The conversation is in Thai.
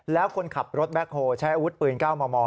แล้วคนขับรถแบ็คโฮลใช้อาวุธปืน๙มม